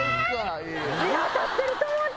当たってると思った。